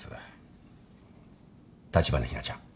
立花日菜ちゃん。